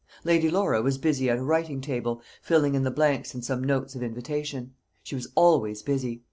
Lady Laura was busy at a writing table, filling in the blanks in some notes of invitation. She was always busy.